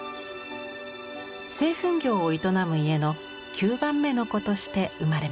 製粉業を営む家の９番目の子として生まれました。